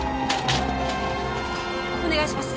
お願いします。